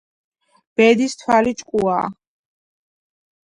ბედის თვალი ჭკუაა.